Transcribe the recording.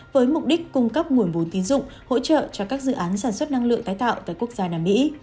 với mục đích cung cấp nguồn vốn tín dụng hỗ trợ cho các dự án sản xuất năng lượng tái tạo tại quốc gia nam mỹ